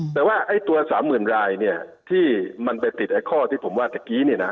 แต่ว่าไอ้ตัว๓๐๐๐รายเนี่ยที่มันไปติดไอ้ข้อที่ผมว่าตะกี้เนี่ยนะ